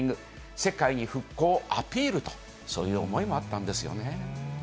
世界に復興をアピールと、そういう思いもあったんですよね。